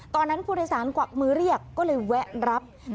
ตอนนั้นผู้โดยสารกวักมือเรียกก็เลยแวะรับ